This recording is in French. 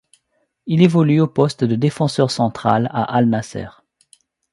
Il évolue au poste de défenseur central à Al Nasr.